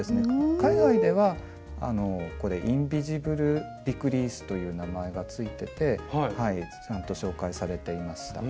海外ではこれ「インビジブル・ディクリース」という名前が付いててちゃんと紹介されていました。